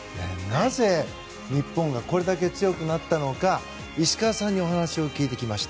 なぜ、日本がこれだけ強くなったのか石川さんにお話を聞いてきました。